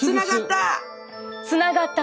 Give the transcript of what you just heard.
つながった！